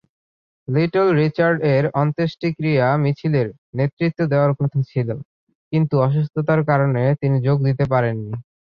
Little Richard এর অন্ত্যেষ্টিক্রিয়া মিছিলের নেতৃত্ব দেওয়ার কথা ছিল, কিন্তু অসুস্থতার কারণে তিনি যোগ দিতে পারেননি।